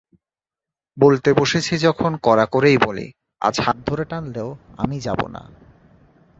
বলতে বসেছি যখন কড়া করেই বলি, আজ হাত ধরে টানলেও আমি যাব না।